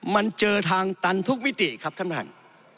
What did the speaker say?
มันเจอทางตันทุกมิติครับท่านประธาน